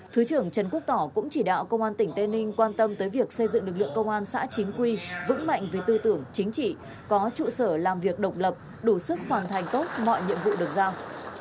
thứ trưởng trần quốc tỏ cũng chỉ đạo công an tỉnh tây ninh quan tâm tới việc xây dựng lực lượng công an xã chính quy vững mạnh về tư tưởng chính trị có trụ sở làm việc độc lập đủ sức hoàn thành tốt mọi nhiệm vụ được giao